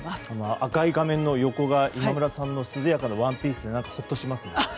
赤い画面の横が今村さんの涼やかなワンピースでほっとしますね。